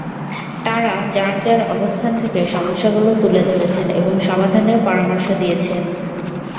তাঁরা যাঁর যাঁর অবস্থান থেকে সমস্যাগুলো তুলে ধরেছেন এবং সমাধানের পরামর্শ দিয়েছেন।